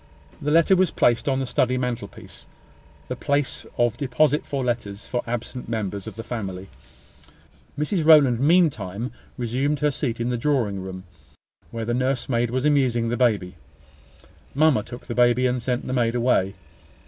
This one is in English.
The letter was placed on the study mantelpiece; the place of deposit for letters for absent members of the family. Mrs Rowland meantime resumed her seat in the drawing room, where the nursemaid was amusing the baby. Mamma took the baby, and sent the maid away.